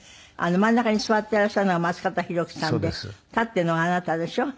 真ん中に座っていらっしゃるのが松方弘樹さんで立っているのがあなたでしょう？